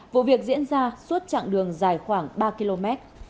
vụ việc diễn ra suốt chặng đường dài khoảng ba km